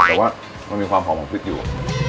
แต่ว่ามันมีความหอมของพริกอยู่